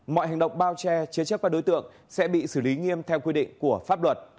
mọi hành động bao che chế chấp các đối tượng sẽ bị xử lý nghiêm theo quy định của pháp luật